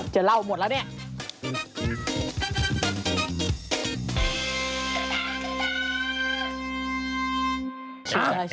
จะเล่าหมดแล้วเนี่ย